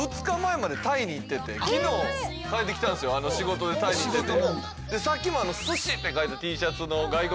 仕事でタイに行ってて。